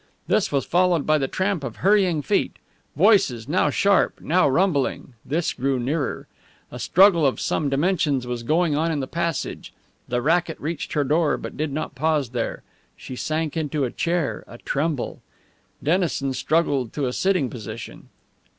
This was followed by the tramp of hurrying feet. Voices, now sharp, now rumbling this grew nearer. A struggle of some dimensions was going on in the passage. The racket reached her door, but did not pause there. She sank into the chair, a tremble. Dennison struggled to a sitting posture.